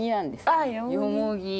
あっヨモギ！